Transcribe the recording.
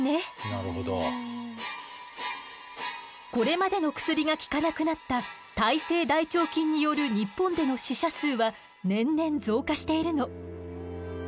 これまでの薬が効かなくなった耐性大腸菌による日本での死者数は年々増加しているの。